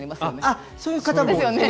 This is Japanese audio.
あっそういう方も多いですよ。